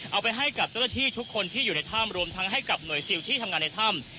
เอาไปให้กับเจ้าหน้าที่ทุกคนที่อยู่ในถ้ำรวมทั้งให้กับหน่วยซิลที่ทำงานในถ้ำ